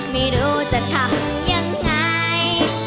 ไม่รู้จะทำยังไง